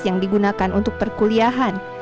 yang diperlukan untuk perkuliahan